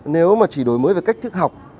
nếu mà chỉ đổi mới về cách thức học